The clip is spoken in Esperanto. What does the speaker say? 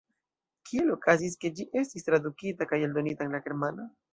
Kiel okazis, ke ĝi estis tradukita kaj eldonita en la germana?